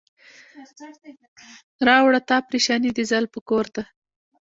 راوړه تا پریشاني د زلفو کور ته.